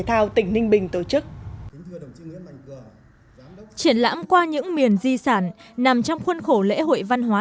thao tỉnh ninh bình tổ chức triển lãm qua những miền di sản nằm trong khuôn khổ lễ hội văn hóa